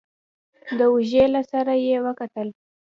د اوږې له سره يې وکتل.